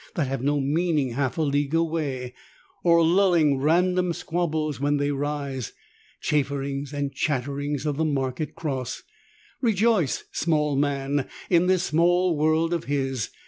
That have no meaning half a league away: Or lulling random squabbles when they rise, Chafferings and chatterings at the market cross, Rejoice, small man, in this small world of his.